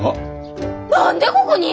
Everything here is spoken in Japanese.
何でここに！？